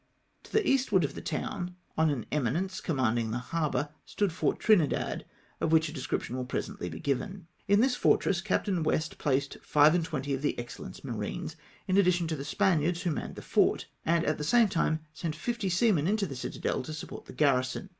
To the eastward of the town, on an eminence com u 4 296 GALLANTRY OF CAPTAIN WEST. manding the harbour, stood Fort Trinidad, of which a description will presently be given. In this fortress Captain West placed five and twenty of the Excellenfs marines, in addition to the Spaniards who manned the fort ; and, at the same time, sent fifty seamen into the citadel to support the garrison.